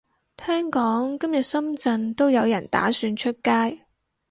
聽講今日深圳都有人打算出街